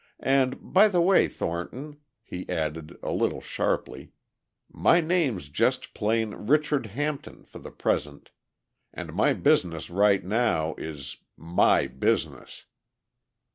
And by the way, Thornton," he added a little sharply, "my name's just plain Richard Hampton for the present. And my business right now is ... my business!"